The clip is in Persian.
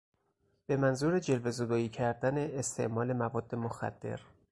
به منظور جلوهزدایی کردن استعمال مواد مخدر